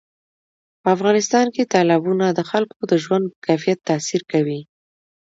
په افغانستان کې تالابونه د خلکو د ژوند په کیفیت تاثیر کوي.